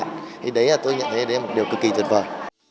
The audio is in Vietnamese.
thì đấy là tôi nhận thấy đấy là một điều cực kỳ tuyệt vời